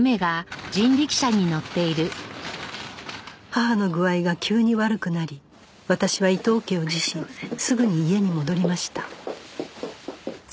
母の具合が急に悪くなり私は伊藤家を辞しすぐに家に戻りました